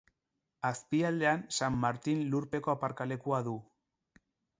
Azpialdean, San Martin lurpeko aparkalekua du.